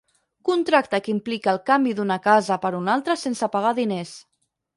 Contracte que implica el canvi d'una casa per una altra sense pagar diners.